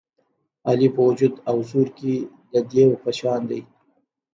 علي په وجود او زور کې د دېو په شان دی.